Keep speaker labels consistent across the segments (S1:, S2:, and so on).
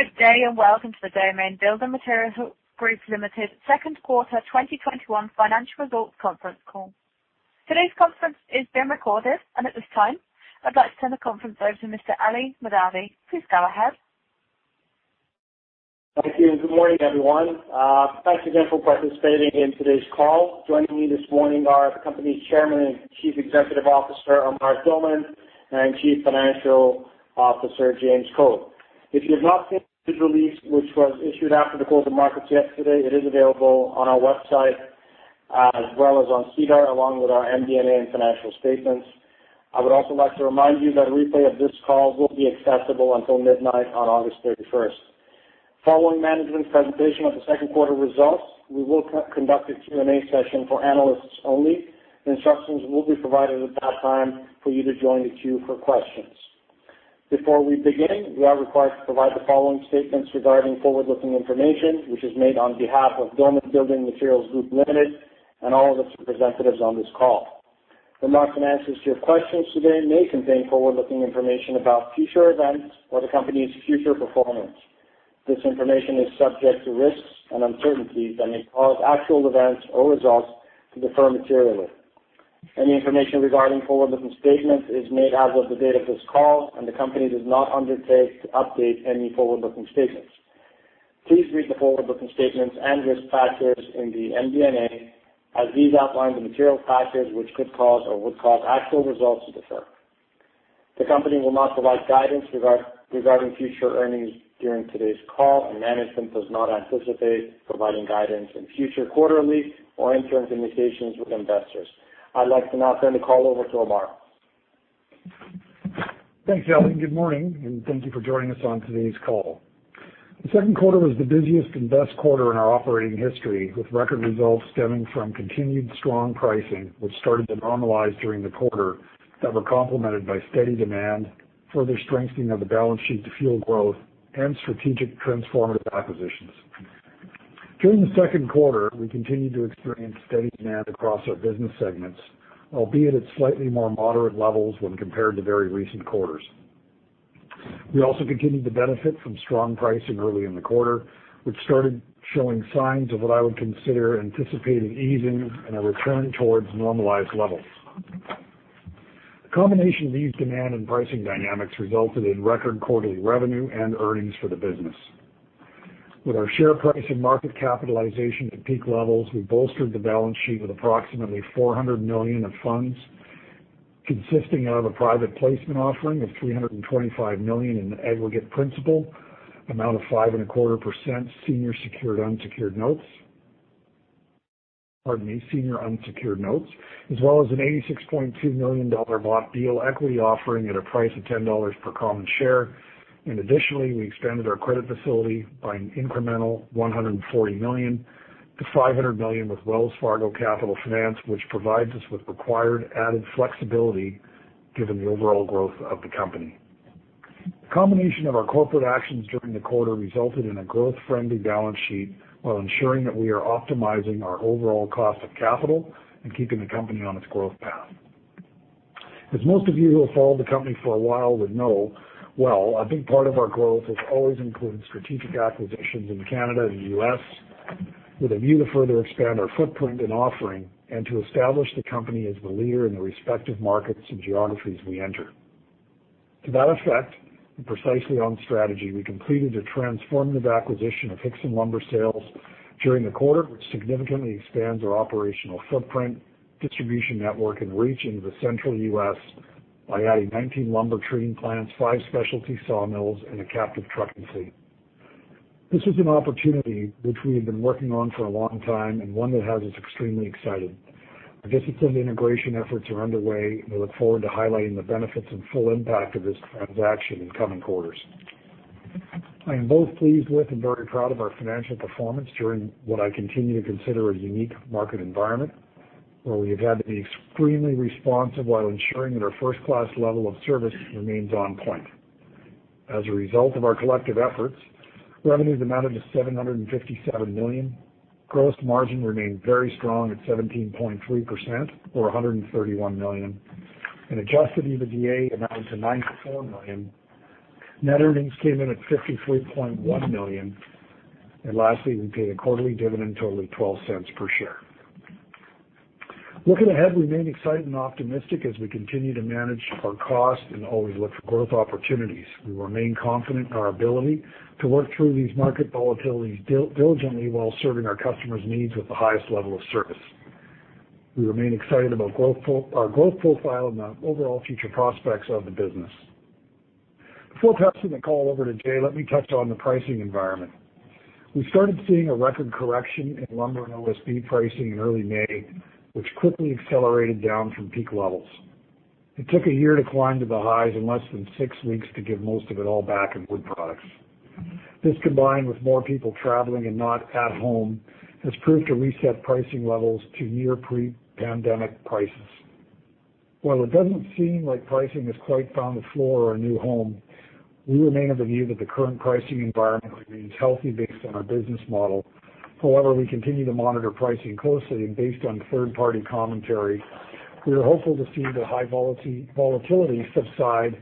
S1: Good day, and welcome to the Doman Building Materials Group Ltd. second quarter 2021 financial results conference call. Today's conference is being recorded. At this time, I'd like to turn the conference over to Mr. Ali Mahdavi. Please go ahead.
S2: Thank you. Good morning, everyone. Thanks again for participating in today's call. Joining me this morning are the company Chairman and Chief Executive Officer, Amar Doman, and Chief Financial Officer, James Code. If you have not seen the release which was issued after the close of markets yesterday, it is available on our website as well as on SEDAR, along with our MD&A and financial statements. I would also like to remind you that a replay of this call will be accessible until midnight on August 31st. Following management's presentation of the second quarter results, we will conduct a Q&A session for analysts only. Instructions will be provided at that time for you to join the queue for questions. Before we begin, we are required to provide the following statements regarding forward-looking information, which is made on behalf of Doman Building Materials Group Ltd. and all of its representatives on this call. The remarks and answers to your questions today may contain forward-looking information about future events or the company's future performance. This information is subject to risks and uncertainties that may cause actual events or results to differ materially. Any information regarding forward-looking statements is made as of the date of this call, and the company does not undertake to update any forward-looking statements. Please read the forward-looking statements and risk factors in the MD&A, as these outline the material factors which could cause or would cause actual results to differ. The company will not provide guidance regarding future earnings during today's call, and management does not anticipate providing guidance in future quarterly or investor meetings with investors. I'd like to now turn the call over to Amar.
S3: Thanks, Ali, and good morning, and thank you for joining us on today's call. The second quarter was the busiest and best quarter in our operating history, with record results stemming from continued strong pricing, which started to normalize during the quarter that were complemented by steady demand, further strengthening of the balance sheet to fuel growth, and strategic transformative acquisitions. During the second quarter, we continued to experience steady demand across our business segments, albeit at slightly more moderate levels when compared to very recent quarters. We also continued to benefit from strong pricing early in the quarter, which started showing signs of what I would consider anticipated easing and a return towards normalized levels. The combination of these demand and pricing dynamics resulted in record quarterly revenue and earnings for the business. With our share price and market capitalization at peak levels, we bolstered the balance sheet with approximately 400 million of funds consisting of a private placement offering of 325 million in aggregate principal, amount of 5.25% senior secured unsecured notes. Pardon me, senior unsecured notes, as well as a 86.2 million dollar block deal equity offering at a price of 10 dollars per common share. Additionally, we expanded our credit facility by an incremental 140 million to 500 million with Wells Fargo Capital Finance, which provides us with required added flexibility given the overall growth of the company. The combination of our corporate actions during the quarter resulted in a growth-friendly balance sheet while ensuring that we are optimizing our overall cost of capital and keeping the company on its growth path. As most of you who have followed the company for a while would know well, a big part of our growth has always included strategic acquisitions in Canada and the U.S. with a view to further expand our footprint and offering and to establish the company as the leader in the respective markets and geographies we enter. To that effect, and precisely on strategy, we completed the transformative acquisition of Hixson Lumber Sales during the quarter, which significantly expands our operational footprint, distribution network, and reach into the central U.S. by adding 19 lumber treating plants, five specialty sawmills, and a captive trucking fleet. This is an opportunity which we have been working on for a long time and one that has us extremely excited. Our discipline integration efforts are underway, and we look forward to highlighting the benefits and full impact of this transaction in coming quarters. I am both pleased with and very proud of our financial performance during what I continue to consider a unique market environment, where we have had to be extremely responsive while ensuring that our first-class level of service remains on point. As a result of our collective efforts, revenues amounted to 757 million. Gross margin remained very strong at 17.3%, or 131 million. Adjusted EBITDA amounted to 94 million. Net earnings came in at 53.1 million. Lastly, we paid a quarterly dividend totaling 0.12 per share. Looking ahead, we remain excited and optimistic as we continue to manage our cost and always look for growth opportunities. We remain confident in our ability to work through these market volatilities diligently while serving our customers' needs with the highest level of service. We remain excited about our growth profile and the overall future prospects of the business. Before passing the call over to Jay, let me touch on the pricing environment. We started seeing a record correction in lumber and OSB pricing in early May, which quickly accelerated down from peak levels. It took a year to climb to the highs and less than six weeks to give most of it all back in wood products. This, combined with more people traveling and not at home, has proved to reset pricing levels to near pre-pandemic prices. While it doesn't seem like pricing has quite found the floor or a new home, we remain of the view that the current pricing environment remains healthy based on our business model. However, we continue to monitor pricing closely, and based on third-party commentary. We are hopeful to see the high volatility subside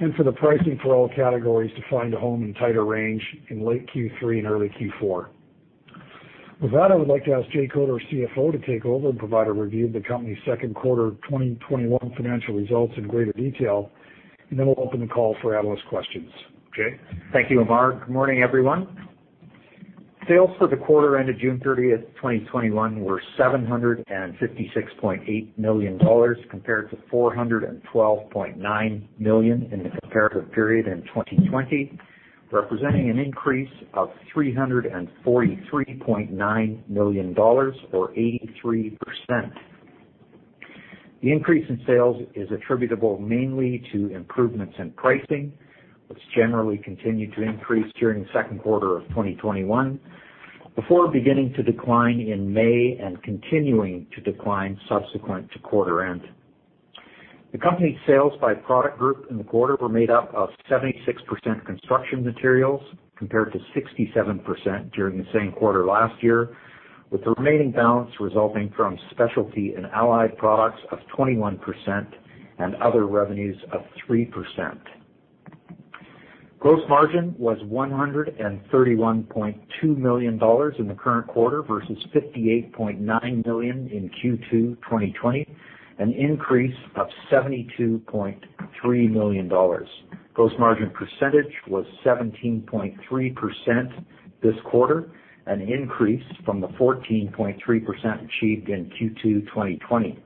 S3: and for the pricing for all categories to find a home in tighter range in late Q3 and early Q4. With that, I would like to ask Jay Code, our CFO, to take over and provide a review of the company's second quarter 2021 financial results in greater detail, and then we'll open the call for analyst questions. Jay?
S4: Thank you, Amar. Good morning, everyone. Sales for the quarter ended June 30th, 2021, were 756.8 million dollars, compared to 412.9 million in the comparative period in 2020, representing an increase of 343.9 million dollars or 83%. The increase in sales is attributable mainly to improvements in pricing, which generally continued to increase during the second quarter of 2021, before beginning to decline in May and continuing to decline subsequent to quarter end. The company's sales by product group in the quarter were made up of 76% construction materials, compared to 67% during the same quarter last year, with the remaining balance resulting from specialty and allied products of 21% and other revenues of 3%. Gross margin was 131.2 million dollars in the current quarter versus 58.9 million in Q2 2020, an increase of 72.3 million dollars. Gross margin percentage was 17.3% this quarter, an increase from the 14.3% achieved in Q2 2020.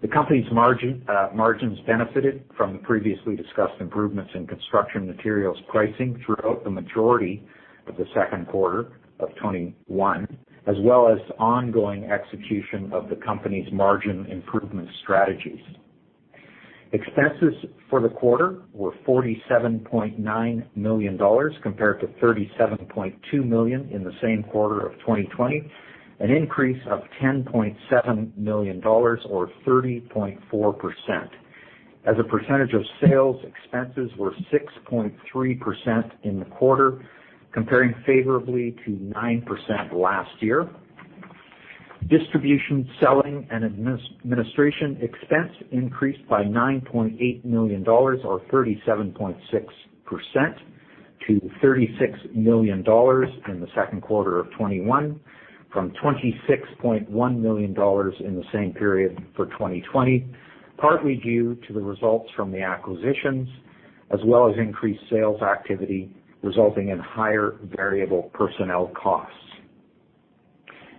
S4: The company's margins benefited from the previously discussed improvements in construction materials pricing throughout the majority of Q2 2021, as well as ongoing execution of the company's margin improvement strategies. Expenses for the quarter were 47.9 million dollars, compared to 37.2 million in the same quarter of 2020, an increase of 10.7 million dollars or 30.4%. As a percentage of sales, expenses were 6.3% in the quarter, comparing favorably to 9% last year. Distribution, selling, and administration expense increased by 9.8 million dollars or 37.6% to 36 million dollars in Q2 2021 from 26.1 million dollars in the same period for 2020, partly due to the results from the acquisitions, as well as increased sales activity resulting in higher variable personnel costs.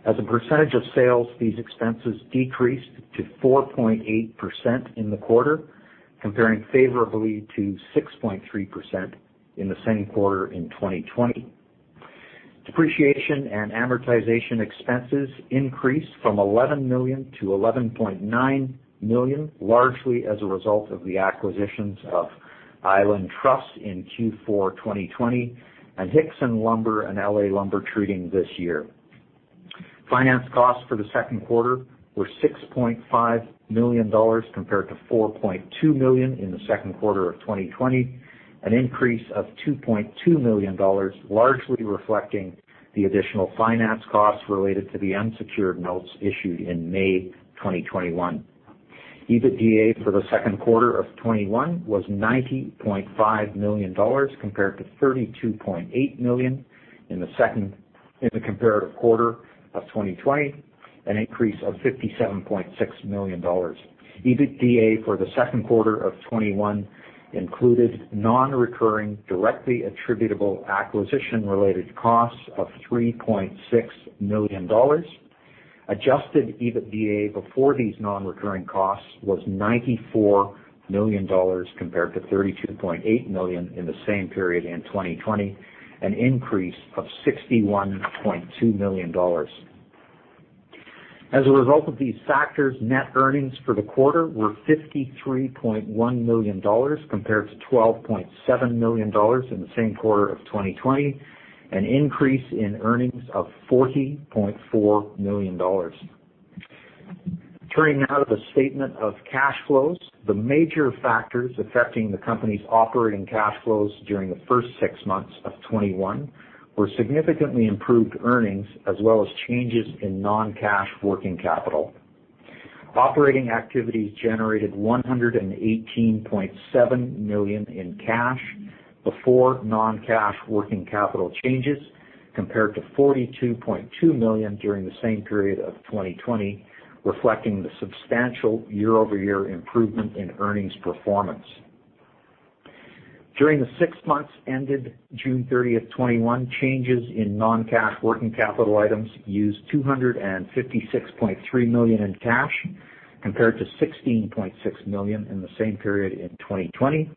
S4: As a percentage of sales, these expenses decreased to 4.8% in the quarter, comparing favorably to 6.3% in the same quarter in 2020. Depreciation and amortization expenses increased from 11 million-11.9 million, largely as a result of the acquisitions of Islands Truss in Q4 2020 and Hixson Lumber and L.A. Lumber Treating this year. Finance costs for the second quarter were 6.5 million dollars compared to 4.2 million in the second quarter of 2020, an increase of 2.2 million dollars, largely reflecting the additional finance costs related to the unsecured notes issued in May 2021. EBITDA for the second quarter of 2021 was 90.5 million dollars, compared to 32.8 million in the comparative quarter of 2020, an increase of 57.6 million dollars. EBITDA for the second quarter of 2021 included non-recurring, directly attributable acquisition-related costs of 3.6 million dollars. Adjusted EBITDA before these non-recurring costs was 94 million dollars compared to 32.8 million in the same period in 2020, an increase of 61.2 million dollars. As a result of these factors, net earnings for the quarter were 53.1 million dollars compared to 12.7 million dollars in the same quarter of 2020, an increase in earnings of 40.4 million dollars. Turning now to the statement of cash flows. The major factors affecting the company's operating cash flows during the first six months of 2021 were significantly improved earnings as well as changes in non-cash working capital. Operating activities generated 118.7 million in cash before non-cash working capital changes, compared to 42.2 million during the same period of 2020, reflecting the substantial year-over-year improvement in earnings performance. During the six months ended June 30th, 2021, changes in non-cash working capital items used 256.3 million in cash, compared to 16.6 million in the same period in 2020.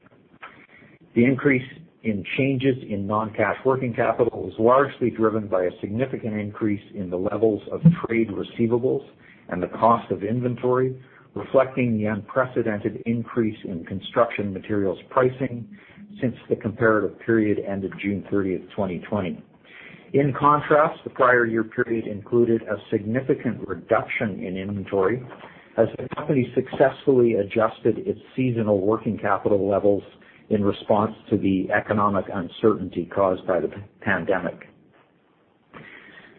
S4: The increase in changes in non-cash working capital was largely driven by a significant increase in the levels of trade receivables and the cost of inventory, reflecting the unprecedented increase in construction materials pricing since the comparative period ended June 30th, 2020. In contrast, the prior year period included a significant reduction in inventory as the company successfully adjusted its seasonal working capital levels in response to the economic uncertainty caused by the pandemic.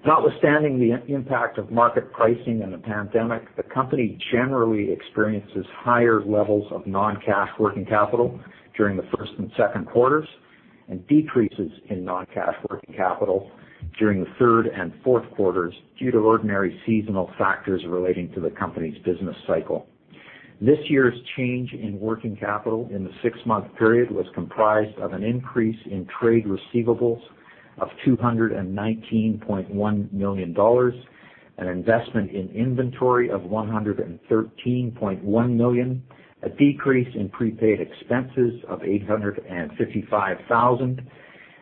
S4: Notwithstanding the impact of market pricing and the pandemic, the company generally experiences higher levels of non-cash working capital during the first and second quarters, and decreases in non-cash working capital during the third and fourth quarters due to ordinary seasonal factors relating to the company's business cycle. This year's change in working capital in the six-month period was comprised of an increase in trade receivables of 219.1 million dollars, an investment in inventory of 113.1 million, a decrease in prepaid expenses of 855,000,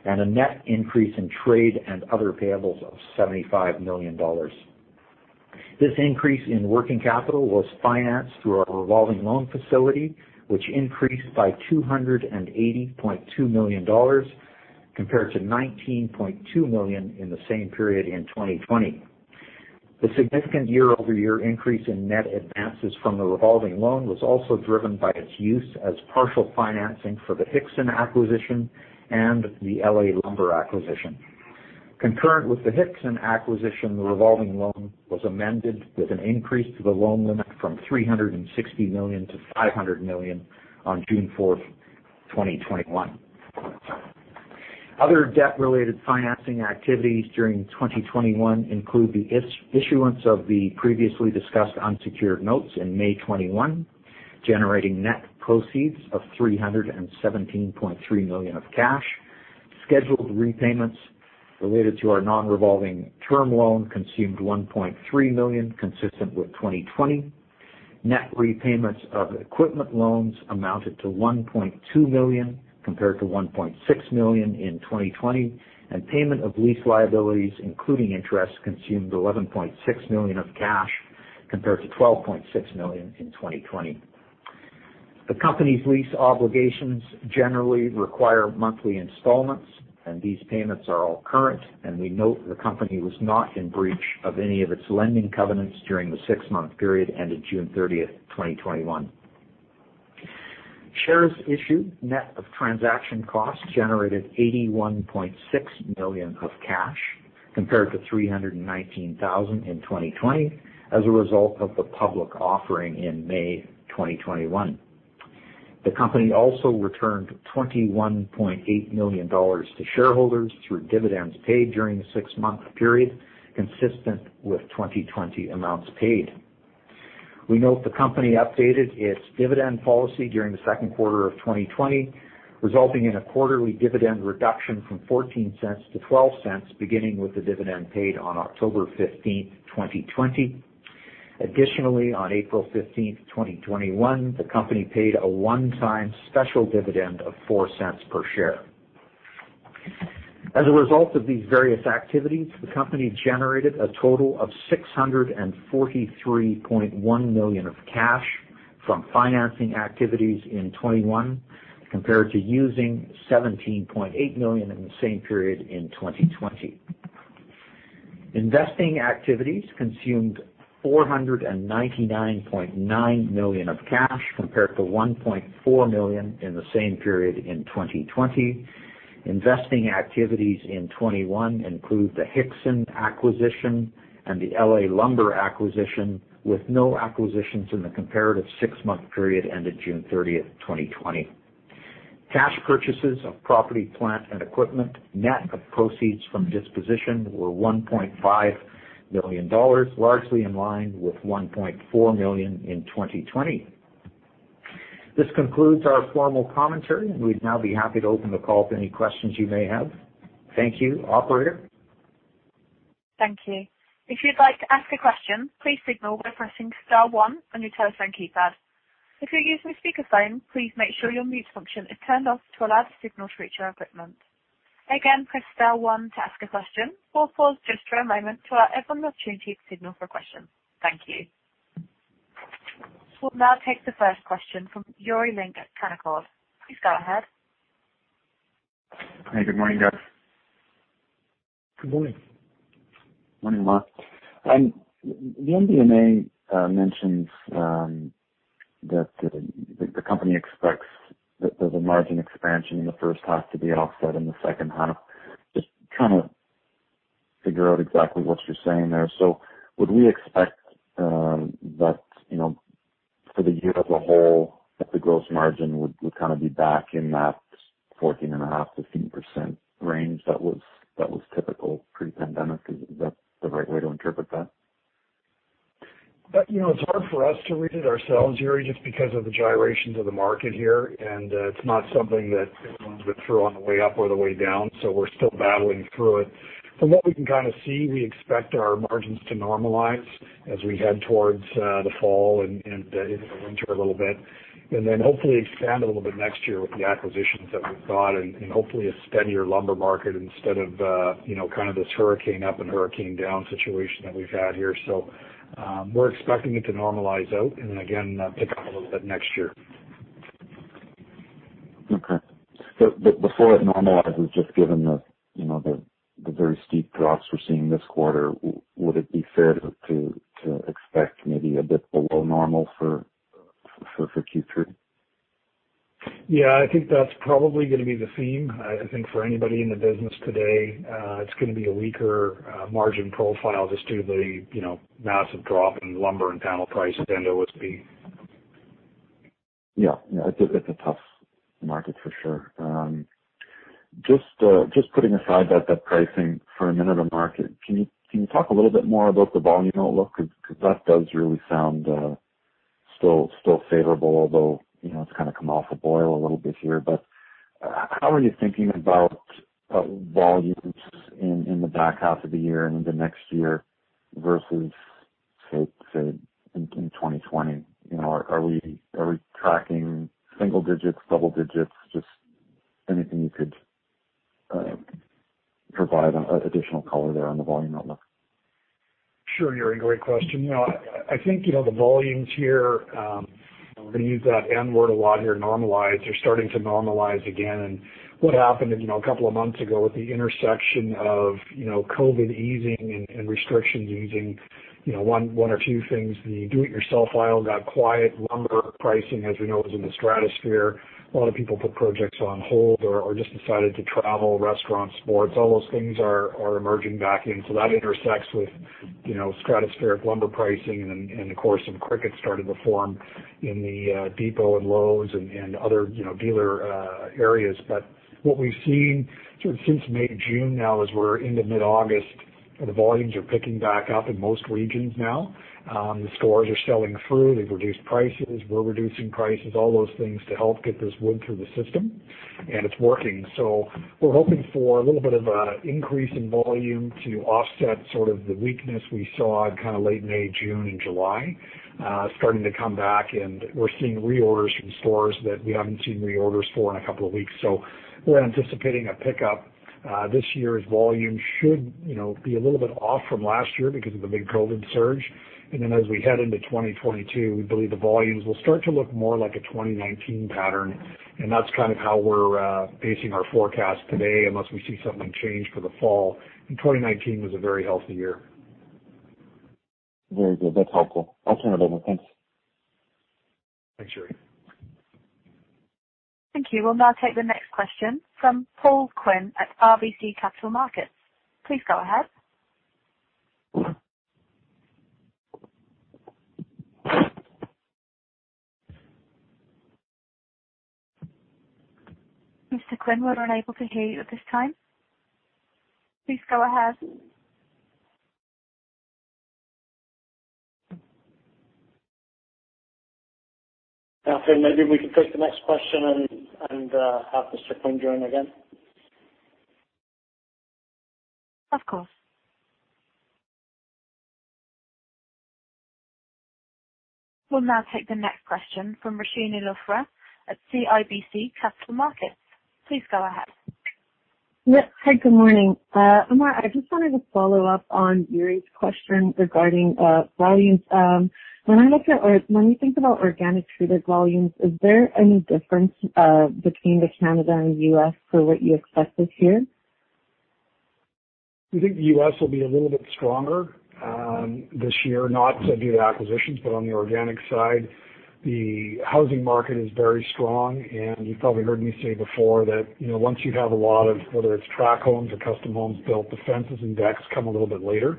S4: and a net increase in trade and other payables of 75 million dollars. This increase in working capital was financed through our revolving loan facility, which increased by 280.2 million dollars, compared to 19.2 million in the same period in 2020. The significant year-over-year increase in net advances from the revolving loan was also driven by its use as partial financing for the Hixson acquisition and the L.A. Lumber acquisition. Concurrent with the Hixson acquisition, the revolving loan was amended with an increase to the loan limit from 360 million to 500 million on June 4th, 2021. Other debt-related financing activities during 2021 include the issuance of the previously discussed unsecured notes in May 2021, generating net proceeds of 317.3 million of cash. Scheduled repayments related to our non-revolving term loan consumed 1.3 million, consistent with 2020. Net repayments of equipment loans amounted to 1.2 million, compared to 1.6 million in 2020, and payment of lease liabilities, including interest, consumed 11.6 million of cash, compared to 12.6 million in 2020. The company's lease obligations generally require monthly installments, and these payments are all current, and we note the company was not in breach of any of its lending covenants during the six-month period ended June 30th, 2021. Shares issued, net of transaction costs, generated 81.6 million of cash, compared to 319,000 in 2020, as a result of the public offering in May 2021. The company also returned 21.8 million dollars to shareholders through dividends paid during the six-month period, consistent with 2020 amounts paid. We note the company updated its dividend policy during the second quarter of 2020, resulting in a quarterly dividend reduction from 0.14-0.12, beginning with the dividend paid on October 15th, 2020. On April 15th, 2021, the company paid a one-time special dividend of 0.04 per share. As a result of these various activities, the company generated a total of 643.1 million of cash from financing activities in 2021, compared to using 17.8 million in the same period in 2020. Investing activities consumed 499.9 million of cash, compared to 1.4 million in the same period in 2020. Investing activities in 2021 include the Hixson acquisition and the L.A. Lumber acquisition, with no acquisitions in the comparative six-month period ended June 30th, 2020. Cash purchases of property, plant, and equipment, net of proceeds from disposition, were 1.5 million dollars, largely in line with 1.4 million in 2020. This concludes our formal commentary, and we'd now be happy to open the call to any questions you may have. Thank you. Operator?
S1: Thank you. If you'd like to ask a question, please signal by pressing star one on your telephone keypad. If you're using a speakerphone, please make sure your mute function is turned off to allow the signal to reach our equipment. Again, press star one to ask a question. We'll pause just for a moment to allow everyone the opportunity to signal for questions. Thank you. We'll now take the first question from Yuri Lynk at Canaccord. Please go ahead.
S5: Hey, good morning, guys.
S3: Good morning.
S5: Morning, Amar. The MD&A mentions that the company expects that there's a margin expansion in the first half to be offset in the second half. Just kind of figure out exactly what you're saying there. Would we expect that for the year as a whole, that the gross margin would kind of be back in that 14.5%-15% range that was typical pre-pandemic? Is that the right way to interpret that?
S3: It's hard for us to read it ourselves, Yuri, just because of the gyrations of the market here. It's not something that moves with true on the way up or the way down. We're still battling through it. From what we can kind of see, we expect our margins to normalize as we head towards the fall and into the winter a little bit. Hopefully expand a little bit next year with the acquisitions that we've got and hopefully a steadier lumber market instead of kind of this hurricane up and hurricane down situation that we've had here. We're expecting it to normalize out and then again pick up a little bit next year.
S5: Okay. Before it normalizes, just given the very steep drops we're seeing this quarter, would it be fair to expect maybe a bit below normal for Q3?
S3: Yeah, I think that's probably going to be the theme. I think for anybody in the business today, it's going to be a weaker margin profile just due to the massive drop in lumber and panel price than there was being.
S5: Yeah. It's a tough market for sure. Just putting aside that pricing for a minute on market, can you talk a little bit more about the volume outlook? That does really sound still favorable, although it's kind of come off the boil a little bit here. How are you thinking about volumes in the back half of the year and into next year versus, say, in 2020? Are we tracking single-digits, double-digits? Just anything you could provide additional color there on the volume outlook.
S3: Sure, Yuri. Great question. I think the volumes here, we're going to use that N-word a lot here, normalize, are starting to normalize again. What happened a couple of months ago at the intersection of COVID easing and restrictions easing, one or two things, the do it yourself aisle got quiet. Lumber pricing, as we know, was in the stratosphere. A lot of people put projects on hold or just decided to travel, restaurants, sports, all those things are emerging back in. That intersects with stratospheric lumber pricing and of course, some crickets started to form in the Depot and Lowe's and other dealer areas. What we've seen since May, June now as we're into mid-August, the volumes are picking back up in most regions now. The stores are selling through. They've reduced prices. We're reducing prices, all those things to help get this wood through the system, and it's working. We're hoping for a little bit of an increase in volume to offset sort of the weakness we saw in kind of late May, June and July starting to come back, and we're seeing reorders from stores that we haven't seen reorders for in a couple of weeks. We're anticipating a pickup. This year's volume should be a little bit off from last year because of the big COVID surge. Then as we head into 2022, we believe the volumes will start to look more like a 2019 pattern, and that's kind of how we're pacing our forecast today unless we see something change for the fall. 2019 was a very healthy year.
S5: Very good. That's helpful. I'll turn it over. Thanks.
S3: Thanks, Yuri.
S1: Thank you. We'll now take the next question from Paul Quinn at RBC Capital Markets. Please go ahead. Mr. Quinn, we're unable to hear you at this time. Please go ahead.
S2: Catherine, maybe we can take the next question and have Mr. Quinn join again.
S1: Of course. We'll now take the next question from Roshni Luthra at CIBC Capital Markets. Please go ahead.
S6: Yes. Hi, good morning. Amar, I just wanted to follow up on Yuri's question regarding volumes. When we think about organic treated volumes, is there any difference between the Canada and U.S. for what you expected here?
S3: We think the U.S. will be a little bit stronger this year, not to do with acquisitions, but on the organic side. The housing market is very strong, and you probably heard me say before that once you have a lot of, whether it's track homes or custom homes built, the fences and decks come a little bit later.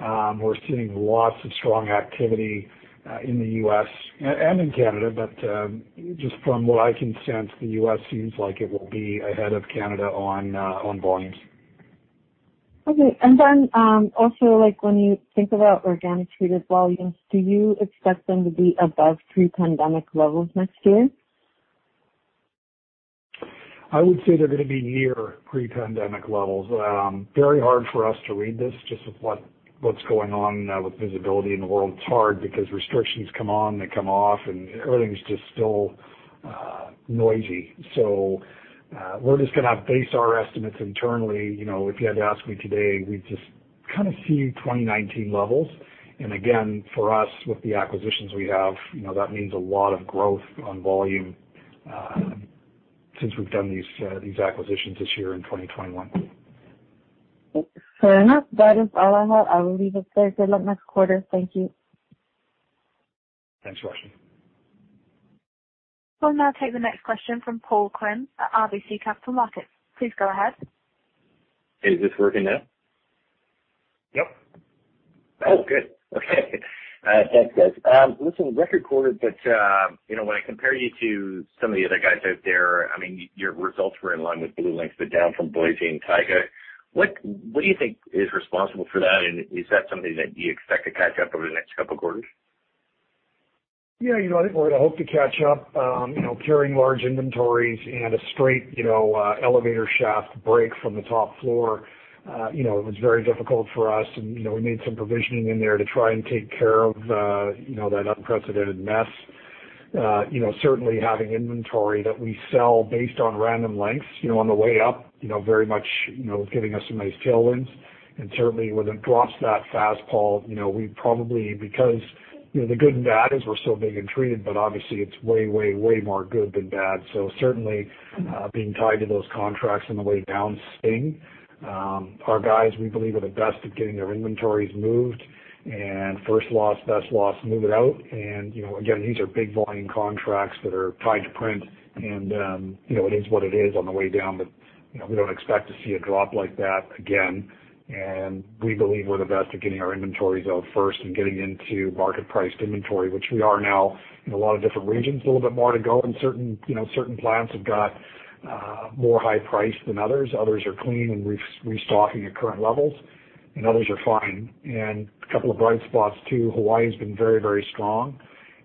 S3: We're seeing lots of strong activity in the U.S. and in Canada, but just from what I can sense, the U.S. seems like it will be ahead of Canada on volumes.
S6: Okay. Also, when you think about organic treated volumes, do you expect them to be above pre-pandemic levels next year?
S3: I would say they're going to be near pre-pandemic levels. Very hard for us to read this just with what's going on with visibility in the world. It's hard because restrictions come on, they come off, and everything's just still noisy. We're just going to have to base our estimates internally. If you had to ask me today, we just kind of see 2019 levels. Again, for us, with the acquisitions we have, that means a lot of growth on volume since we've done these acquisitions this year in 2021.
S6: Fair enough. That is all I have. I will leave it there. Good luck next quarter. Thank you.
S3: Thanks, Roshni.
S1: We'll now take the next question from Paul Quinn at RBC Capital Markets. Please go ahead.
S7: Is this working now?
S3: Yep.
S7: Oh, good. Okay. Thanks, guys. Listen, record quarter, but when I compare you to some of the other guys out there, your results were in line with BlueLinx, but down from Boise and Taiga. What do you think is responsible for that? Is that something that you expect to catch up over the next couple of quarters?
S3: Yeah. I think we're going to hope to catch up. Carrying large inventories and a straight elevator shaft break from the top floor. It was very difficult for us, and we made some provisioning in there to try and take care of that unprecedented mess. Certainly having inventory that we sell based on random lengths on the way up very much giving us some nice tailwinds. Certainly when it drops that fast, Paul, the good and bad is we're still being treated, but obviously it's way more good than bad. Certainly being tied to those contracts on the way down sting. Our guys, we believe, are the best at getting their inventories moved and first loss, best loss, move it out. Again, these are big volume contracts that are tied to print and it is what it is on the way down. We don't expect to see a drop like that again. We believe we're the best at getting our inventories out first and getting into market priced inventory, which we are now in a lot of different regions. A little bit more to go in certain plants have got more high price than others. Others are clean and restocking at current levels, and others are fine. A couple of bright spots too. Hawaii's been very strong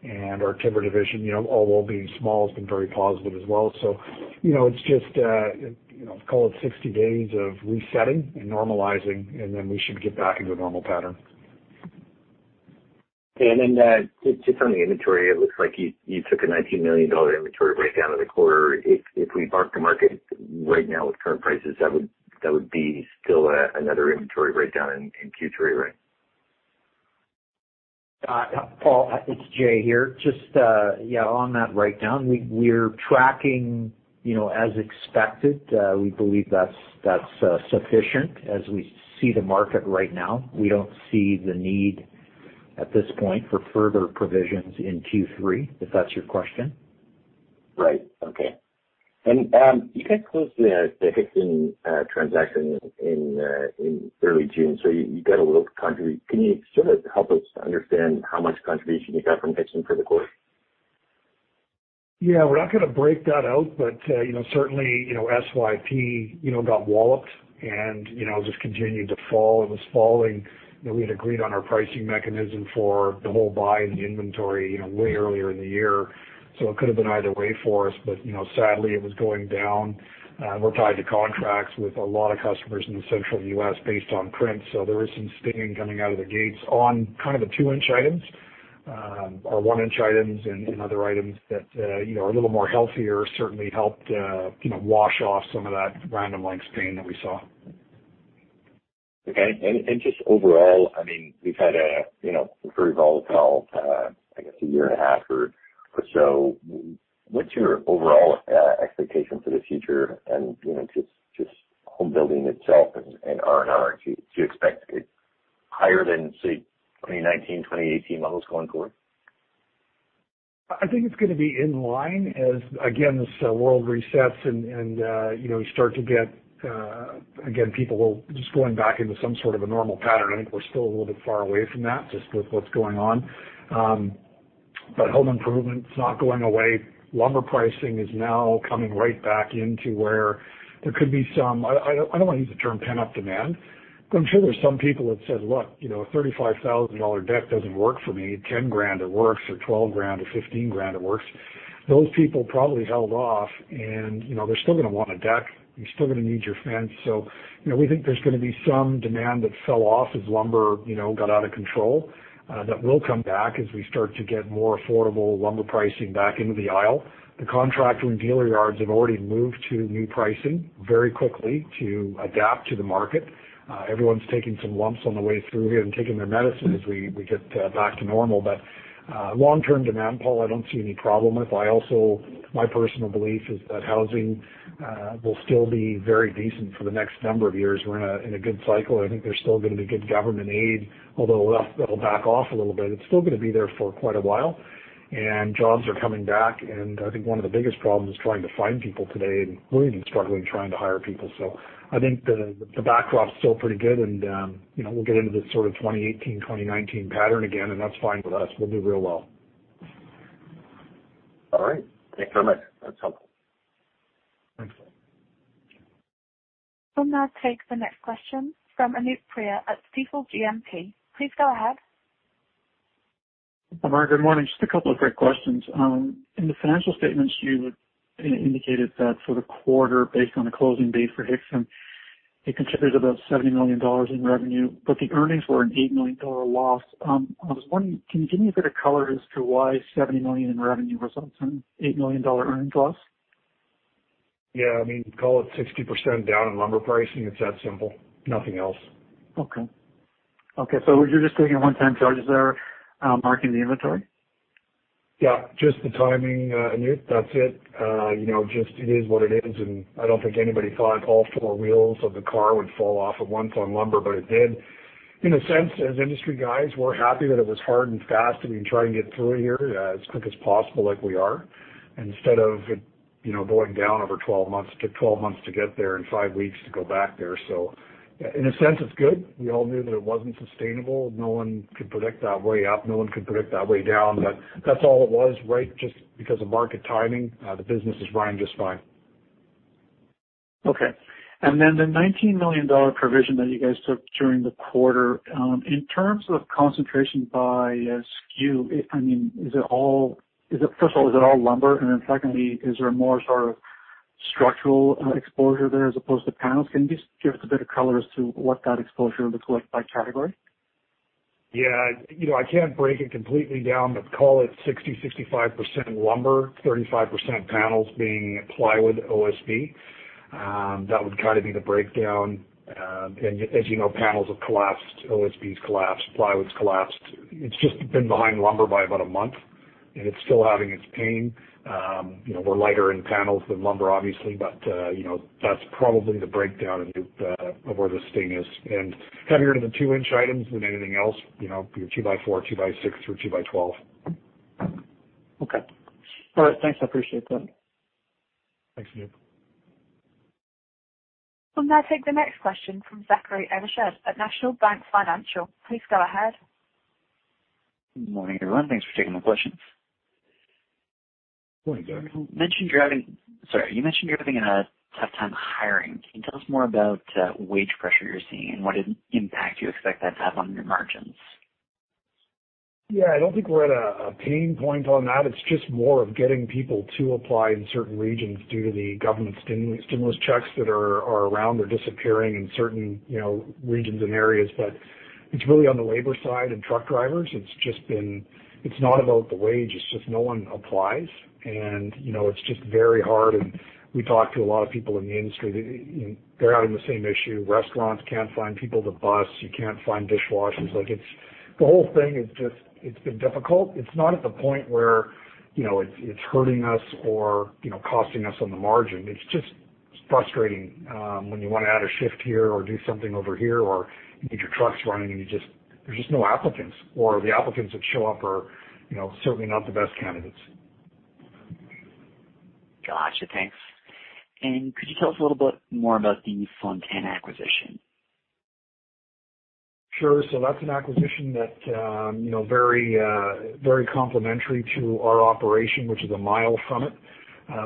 S3: and our Timber division, although being small, has been very positive as well. It's just call it 60 days of resetting and normalizing, and then we should get back into a normal pattern.
S7: Okay. Just on the inventory, it looks like you took a 19 million dollar inventory breakdown in the quarter. If we mark the market right now with current prices, that would be still another inventory breakdown in Q3, right?
S4: Paul, it's Jay here, just on that breakdown, we're tracking as expected. We believe that's sufficient as we see the market right now. We don't see the need at this point for further provisions in Q3, if that's your question.
S7: Right. Okay. You guys closed the Hixson transaction in early June, so you got a little contribution. Can you sort of help us understand how much contribution you got from Hixson for the quarter?
S3: Yeah, we're not going to break that out. Certainly, SYP got walloped and just continued to fall. It was falling. We had agreed on our pricing mechanism for the whole buy of the inventory way earlier in the year, so it could have been either way for us, but sadly, it was going down. We're tied to contracts with a lot of customers in the central U.S. based on print. There is some stinging coming out of the gates on kind of the 2-inch items or 1-inch items and other items that are a little more healthier, certainly helped wash off some of that random length stain that we saw.
S7: Okay. Just overall, we've had a very volatile, I guess a year and a half or so. What's your overall expectation for the future and just home building itself and R&R? Do you expect it higher than, say, 2019, 2018 levels going forward?
S3: I think it's going to be in line as again, this world resets and you start to get again, people just going back into some sort of a normal pattern. I think we're still a little bit far away from that just with what's going on. Home improvement's not going away. Lumber pricing is now coming right back into where there could be some I don't want to use the term pent-up demand, but I'm sure there's some people that said, "Look, a 35,000 dollar deck doesn't work for me. At 10 thousand it works, or 12 thousand or 15 thousand it works." Those people probably held off, and they're still going to want a deck. You're still going to need your fence. We think there's going to be some demand that fell off as lumber got out of control. That will come back as we start to get more affordable lumber pricing back into the aisle. The contractor and dealer yards have already moved to new pricing very quickly to adapt to the market. Everyone's taking some lumps on the way through here and taking their medicine as we get back to normal. Long-term demand, Paul, I don't see any problem with. My personal belief is that housing will still be very decent for the next number of years. We're in a good cycle. I think there's still going to be good government aid, although that'll back off a little bit. It's still going to be there for quite a while, and jobs are coming back. I think one of the biggest problems is trying to find people today, and we're even struggling trying to hire people. I think the backdrop's still pretty good. We'll get into this sort of 2018, 2019 pattern again, and that's fine with us. We'll do real well.
S7: All right. Thank you very much. That's helpful.
S3: Thanks.
S1: We'll now take the next question from Ian Gillies at Stifel GMP. Please go ahead.
S8: Amar, good morning. Just a couple of quick questions. In the financial statements, you indicated that for the quarter, based on the closing date for Hixson, it contributed about 70 million dollars in revenue. The earnings were a 8 million dollar loss. I was wondering, can you give me a bit of color as to why 70 million in revenue results in a 8 million dollar earnings loss?
S3: Yeah. Call it 60% down in lumber pricing. It's that simple. Nothing else.
S8: Okay. Were you just taking a one-time charges there, marking the inventory?
S3: Yeah, just the timing, Ian. That's it. Just it is what it is. I don't think anybody thought all four wheels of the car would fall off at once on lumber, but it did. In a sense, as industry guys, we're happy that it was hard and fast and we can try to get through here as quick as possible like we are. Instead of it going down over 12 months, took 12 months to get there and five weeks to go back there. In a sense, it's good. We all knew that it wasn't sustainable. No one could predict that way up. No one could predict that way down. That's all it was, right? Just because of market timing. The business is running just fine.
S8: Okay. The 19 million dollar provision that you guys took during the quarter, in terms of concentration by SKU, first of all, is it all lumber? Secondly, is there more sort of structural exposure there as opposed to panels? Can you just give us a bit of color as to what that exposure looks like by category?
S3: Yeah. I can't break it completely down, but call it 60%-65% lumber, 35% panels being plywood OSB. That would kind of be the breakdown. As you know, panels have collapsed, OSBs collapsed, plywood's collapsed. It's just been behind lumber by about a month, and it's still having its pain. We're lighter in panels than lumber, obviously, but that's probably the breakdown of where the sting is. Heavier to the 2-inch items than anything else, your 2x4, 2x6, or 2x12.
S8: Okay. All right, thanks. I appreciate that.
S3: Thanks, Ian.
S1: We'll now take the next question from Zachary Evershed at National Bank Financial. Please go ahead.
S9: Good morning, everyone. Thanks for taking my questions.
S3: Morning, Zach.
S9: You mentioned you're having a tough time hiring. Can you tell us more about wage pressure you're seeing and what impact you expect that to have on your margins?
S3: Yeah. I don't think we're at a pain point on that. It's just more of getting people to apply in certain regions due to the government stimulus checks that are around. They're disappearing in certain regions and areas, but it's really on the labor side and truck drivers. It's not about the wage, it's just no one applies, and it's just very hard. We talk to a lot of people in the industry, they're having the same issue. Restaurants can't find people to bus. You can't find dishwashers. The whole thing it's been difficult. It's not at the point where it's hurting us or costing us on the margin. It's just frustrating when you want to add a shift here or do something over here, or you get your trucks running and there's just no applicants, or the applicants that show up are certainly not the best candidates.
S9: Got you. Thanks. Could you tell us a little bit more about the Fontana acquisition?
S3: That's an acquisition that very complementary to our operation, which is 1 mile from it.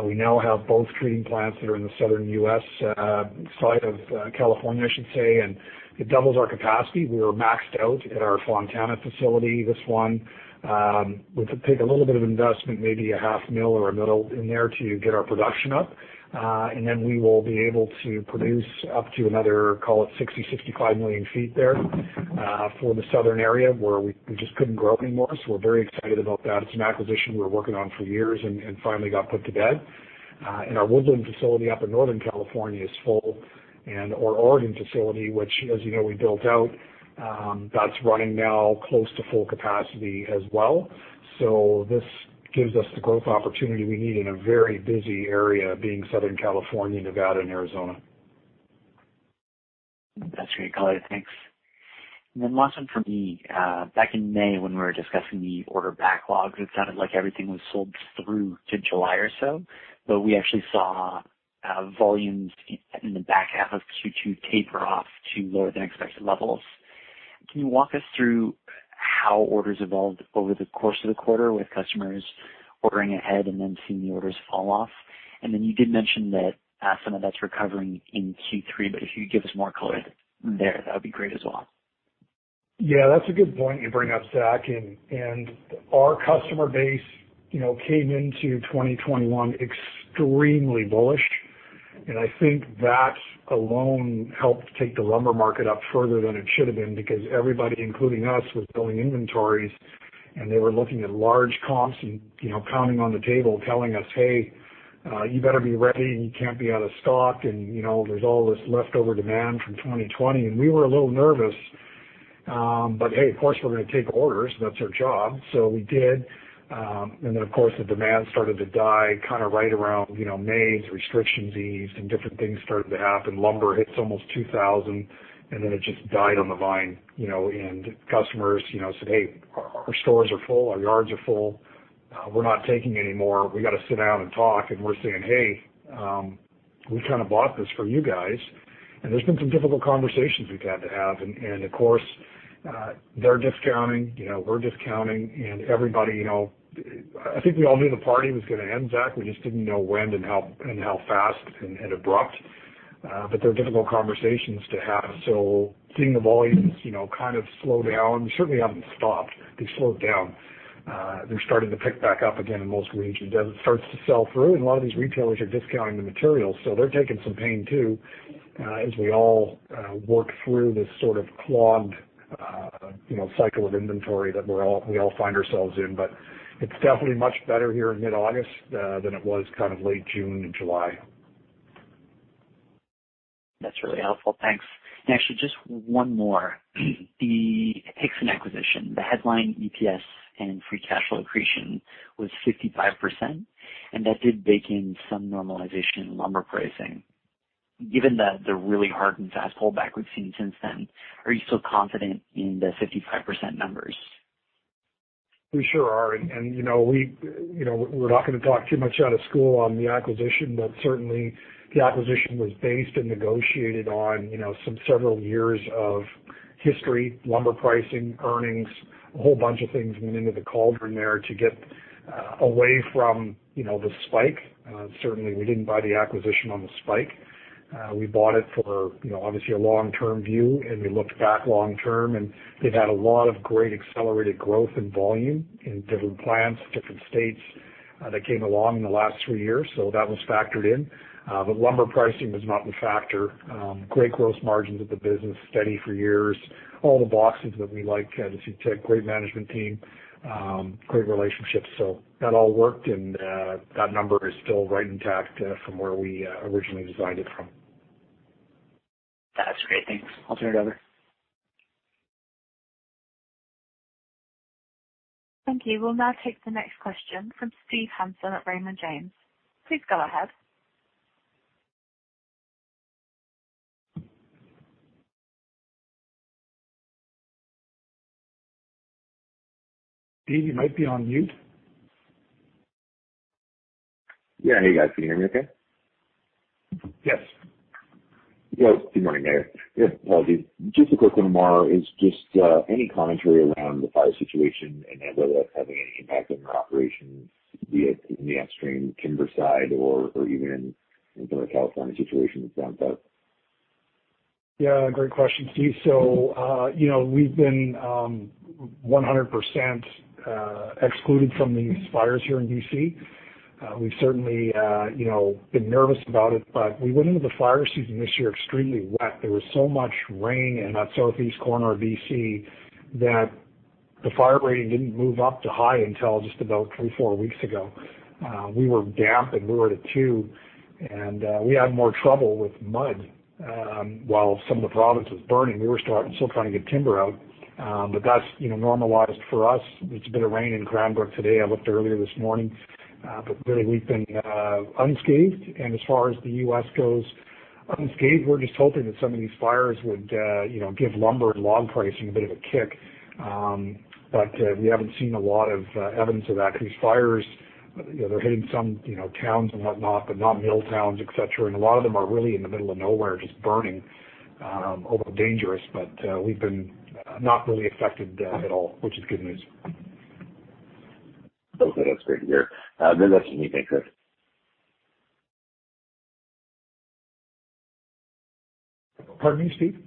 S3: We now have both treating plants that are in the Southern U.S., outside of California, I should say, and it doubles our capacity. We were maxed out at our Fontana facility. This one, we could take a little bit of investment, maybe 500,000 or 1 million in there to get our production up. We will be able to produce up to another, call it 60-65 million ft there, for the Southern area where we just couldn't grow anymore. We're very excited about that. It's an acquisition we were working on for years and finally got put to bed. Our Woodland facility up in Northern California is full, and our Oregon facility, which as you know we built out, that's running now close to full capacity as well. This gives us the growth opportunity we need in a very busy area, being Southern California, Nevada, and Arizona.
S9: That's great, color. Thanks. Last one from me. Back in May when we were discussing the order backlogs, it sounded like everything was sold through to July or so, but we actually saw volumes in the back half of Q2 taper off to lower than expected levels. Can you walk us through how orders evolved over the course of the quarter with customers ordering ahead and then seeing the orders fall off? You did mention that some of that's recovering in Q3, but if you could give us more color there, that would be great as well.
S3: Yeah, that's a good point you bring up, Zach, and our customer base came into 2021 extremely bullish. I think that alone helped take the lumber market up further than it should have been because everybody, including us, was building inventories, and they were looking at large comps and pounding on the table telling us, "Hey, you better be ready, and you can't be out of stock, and there's all this leftover demand from 2020." We were a little nervous. Hey, of course we're going to take orders. That's our job. We did. Of course, the demand started to die kind of right around May as the restrictions eased and different things started to happen. Lumber hits almost 2,000, and then it just died on the vine, and customers said, "Hey, our stores are full, our yards are full. We're not taking any more. We got to sit down and talk." We're saying, "Hey, we kind of bought this from you guys." There's been some difficult conversations we've had to have, and of course, they're discounting, we're discounting, and everybody I think we all knew the party was going to end, Zach. We just didn't know when and how fast and abrupt. They're difficult conversations to have. Seeing the volumes kind of slow down, they certainly haven't stopped. They slowed down. They're starting to pick back up again in most regions as it starts to sell through, and a lot of these retailers are discounting the materials, so they're taking some pain, too, as we all work through this sort of clogged cycle of inventory that we all find ourselves in. It's definitely much better here in mid-August than it was kind of late June and July.
S9: That's really helpful. Thanks. Actually, just one more. The Hixson acquisition, the headline EPS and free cash flow accretion was 55%, and that did bake in some normalization in lumber pricing. Given that the really hard and fast pullback we've seen since then, are you still confident in the 55% numbers?
S3: We sure are. We're not going to talk too much out of school on the acquisition, but certainly the acquisition was based and negotiated on some several years of history, lumber pricing, earnings, a whole bunch of things went into the cauldron there to get away from the spike. Certainly we didn't buy the acquisition on the spike. We bought it for obviously a long-term view. We looked back long-term, and they've had a lot of great accelerated growth and volume in different plants, different states. That came along in the last three years. That was factored in. Lumber pricing was not the factor. Great gross margins of the business, steady for years. All the boxes that we like as you tick, great management team, great relationships. That all worked, and that number is still right intact from where we originally designed it from.
S9: That's great. Thanks. I'll turn it over.
S1: Thank you. We'll now take the next question from Steve Hansen at Raymond James. Please go ahead.
S3: Steve, you might be on mute.
S10: Yeah. Hey, guys. Can you hear me okay?
S3: Yes.
S10: Yes. Good morning, guys. Yeah, just a quick one, Amar, is just any commentary around the fire situation and whether that's having any impact on your operations via in the upstream timber side or even in terms of California situation with Wampat?
S3: Great question, Steve. We've been 100% excluded from these fires here in BC. We've certainly been nervous about it. We went into the fire season this year extremely wet. There was so much rain in that southeast corner of BC that the fire rating didn't move up to high until just about three, four weeks ago. We were damp and we were at a two, and we had more trouble with mud. While some of the province was burning, we were still trying to get timber out. That's normalized for us. It's a bit of rain in Cranbrook today, I looked earlier this morning. We've been unscathed and as far as the U.S. goes, unscathed, we're just hoping that some of these fires would give lumber and log pricing a bit of a kick. We haven't seen a lot of evidence of that because fires, they're hitting some towns and whatnot, but not mill towns, et cetera. A lot of them are really in the middle of nowhere, just burning, although dangerous. We've been not really affected at all, which is good news.
S10: Okay. That's great to hear. No, that's just me. Thanks, Chris.
S3: Pardon me, Steve?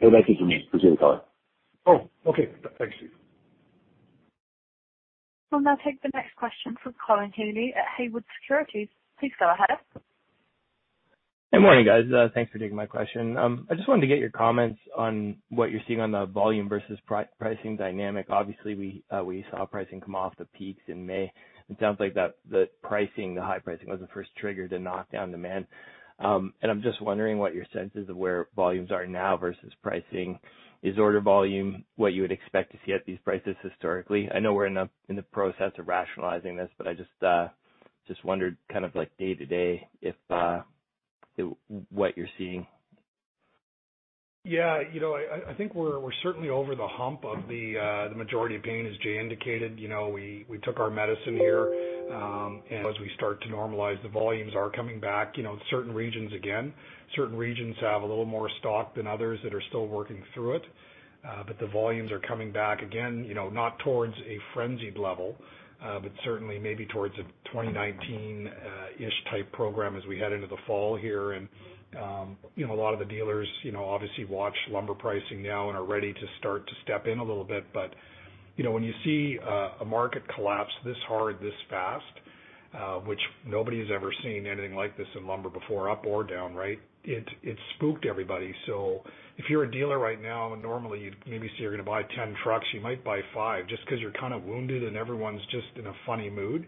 S10: No, that's just me. Proceed, Color.
S3: Oh, okay. Thanks, Steve.
S1: We'll now take the next question from Colin Healey at Haywood Securities. Please go ahead.
S11: Good morning, guys. Thanks for taking my question. I just wanted to get your comments on what you're seeing on the volume versus pricing dynamic. Obviously, we saw pricing come off the peaks in May. It sounds like the high pricing was the first trigger to knock down demand. I'm just wondering what your sense is of where volumes are now versus pricing. Is order volume what you would expect to see at these prices historically? I know we're in the process of rationalizing this, but I just wondered kind of like day to day what you're seeing.
S3: I think we're certainly over the hump of the majority of pain, as Jay indicated. We took our medicine here. As we start to normalize, the volumes are coming back in certain regions again. Certain regions have a little more stock than others that are still working through it. The volumes are coming back again, not towards a frenzied level but certainly maybe towards a 2019-ish type program as we head into the fall here. A lot of the dealers obviously watch lumber pricing now and are ready to start to step in a little bit. When you see a market collapse this hard, this fast, which nobody's ever seen anything like this in lumber before, up or down, right. It spooked everybody. If you're a dealer right now, normally you'd maybe say you're gonna buy 10 trucks. You might buy five just because you're kind of wounded and everyone's just in a funny mood.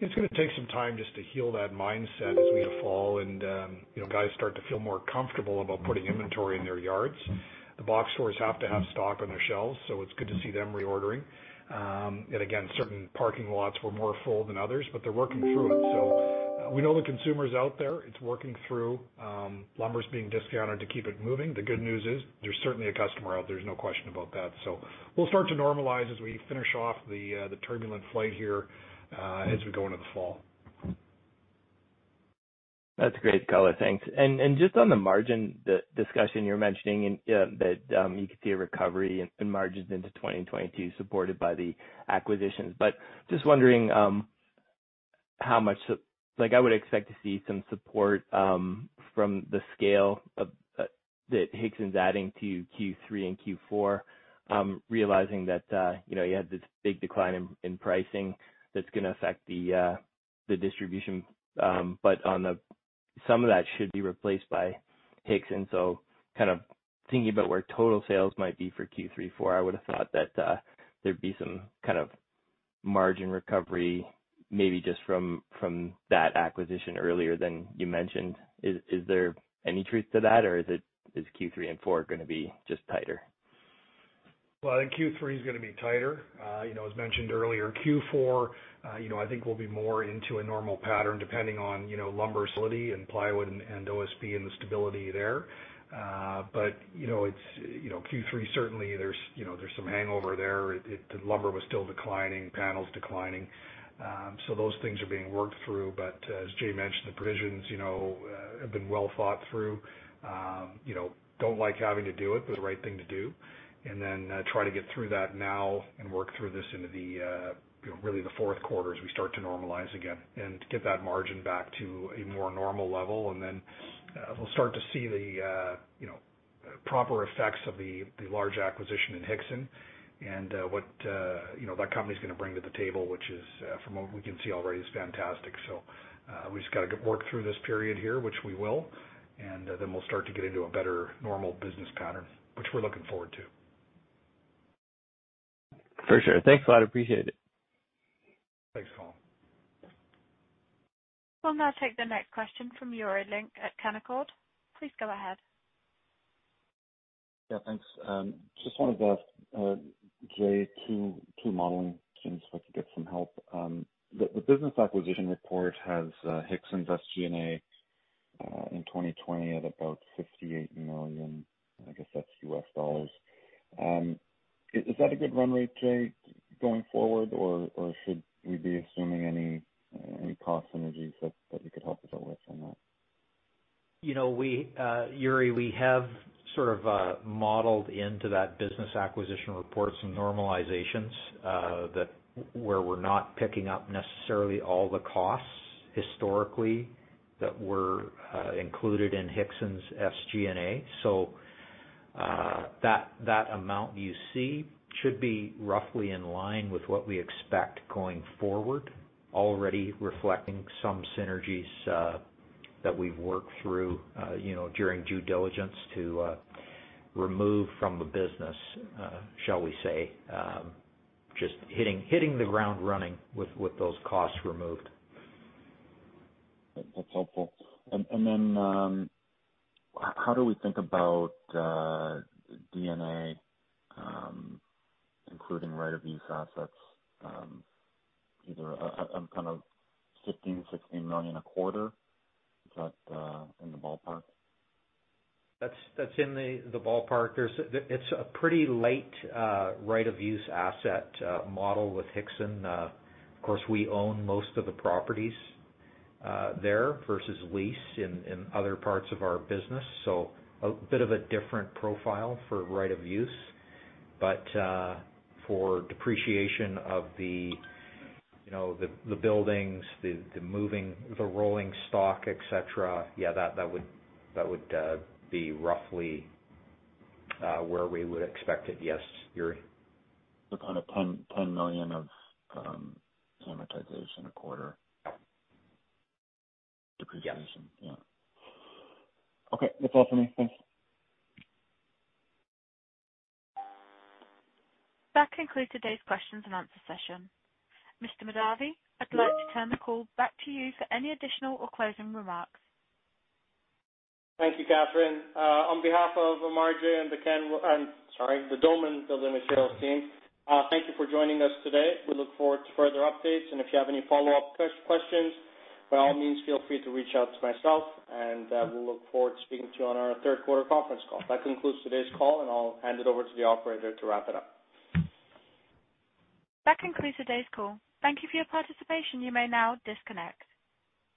S3: It's gonna take some time just to heal that mindset as we hit fall and guys start to feel more comfortable about putting inventory in their yards. The box stores have to have stock on their shelves, so it's good to see them reordering. Again, certain parking lots were more full than others, but they're working through it. We know the consumer's out there. It's working through. Lumber's being discounted to keep it moving. The good news is there's certainly a customer out there. There's no question about that. We'll start to normalize as we finish off the turbulent flight here as we go into the fall.
S11: That's great, color. Thanks. Just on the margin discussion you're mentioning and that you could see a recovery in margins into 2022 supported by the acquisitions. Just wondering how much like I would expect to see some support from the scale that Hixson is adding to Q3 and Q4, realizing that you had this big decline in pricing that's gonna affect the distribution. Some of that should be replaced by Hixson, kind of thinking about where total sales might be for Q3, Q4, I would've thought that there'd be some kind of margin recovery, maybe just from that acquisition earlier than you mentioned. Is there any truth to that, or is Q3 and Q4 gonna be just tighter?
S3: Well, I think Q3 is going to be tighter. As mentioned earlier, Q4 I think will be more into a normal pattern depending on lumber solidity and plywood and OSB and the stability there. Q3, certainly there's some hangover there. The lumber was still declining, panels declining. Those things are being worked through. As Jay mentioned, the provisions have been well thought through. Don't like having to do it, but the right thing to do. Try to get through that now and work through this into the, really the fourth quarter as we start to normalize again and get that margin back to a more normal level. We'll start to see the Proper effects of the large acquisition in Hixson and what that company's going to bring to the table, which is from what we can see already is fantastic. We've just got to work through this period here, which we will, and then we'll start to get into a better normal business pattern, which we're looking forward to.
S11: For sure. Thanks a lot. Appreciate it.
S3: Thanks, Colin.
S1: We'll now take the next question from Yuri Lynk at Canaccord. Please go ahead.
S5: Yeah, thanks. Just wanted to ask Jay two modeling things, if I could get some help. The business acquisition report has Hixson's SG&A in 2020 at about $68 million, I guess that's U.S. dollars. Is that a good run rate, Jay, going forward, or should we be assuming any cost synergies that you could help us out with on that?
S4: Yuri, we have sort of modeled into that business acquisition report some normalizations where we're not picking up necessarily all the costs historically that were included in Hixson's SG&A. That amount you see should be roughly in line with what we expect going forward, already reflecting some synergies that we've worked through during due diligence to remove from the business, shall we say. Just hitting the ground running with those costs removed.
S5: That's helpful. How do we think about D&A, including right of use assets, either a kind of 15 million-16 million a quarter? Is that in the ballpark?
S4: That's in the ballpark. It's a pretty light right of use asset model with Hixson. Of course, we own most of the properties there versus lease in other parts of our business, so a bit of a different profile for right of use. For depreciation of the buildings, the moving, the rolling stock, et cetera, yeah, that would be roughly where we would expect it. Yes, Yuri.
S5: kind of 10 million of amortization a quarter.
S4: Yeah.
S5: Depreciation. Yeah. Okay, that's all for me. Thanks.
S1: That concludes today's questions and answer session. Mr. Mahdavi, I'd like to turn the call back to you for any additional or closing remarks.
S2: Thank you, Catherine. On behalf of Amar, Jay and the Doman Building Materials team, thank you for joining us today. We look forward to further updates, and if you have any follow-up questions, by all means, feel free to reach out to myself, and we'll look forward to speaking to you on our third quarter conference call. That concludes today's call, and I'll hand it over to the operator to wrap it up.
S1: That concludes today's call. Thank You for your participation. You may now disconnect.